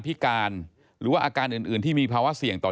พบหน้าลูกแบบเป็นร่างไร้วิญญาณ